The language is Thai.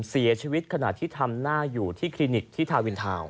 ขณะที่ทำหน้าอยู่ที่คลินิกที่ทาวินทาวน์